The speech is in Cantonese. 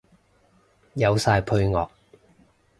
有晒配樂